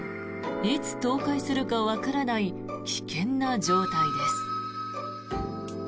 いつ倒壊するかわからない危険な状態です。